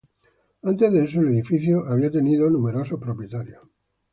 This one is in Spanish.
Antes de eso el edificio había tenido numerosos propietarios.